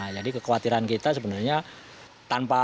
jadi kekhawatiran kita sebenarnya